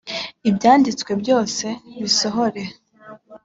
ibyanditswe byose bisohore